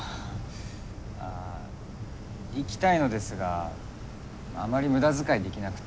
あ行きたいのですがあまり無駄遣いできなくて。